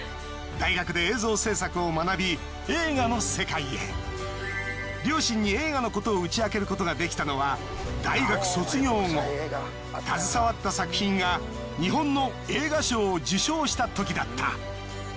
大学で映像制作を学び両親に映画のことを打ち明けることができたのは大学卒業後携わった作品が日本の映画賞を受賞したときだった。